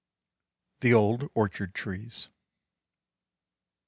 The Old Orchard Trees.